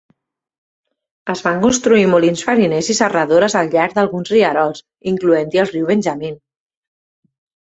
Es van construir molins fariners i serradores al llarg d'alguns rierols, incloent-hi el riu Benjamin.